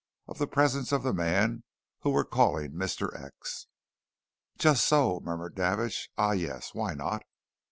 of the presence of the man whom we're calling Mr. X.?" "Just so!" murmured Davidge. "Ah, yes, why not?"